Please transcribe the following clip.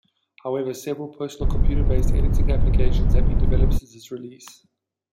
However, several personal computer-based editing applications have been developed since its release.